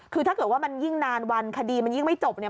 คือถ้าเกิดว่ามันยิ่งนานวันคดีมันยิ่งไม่จบเนี่ย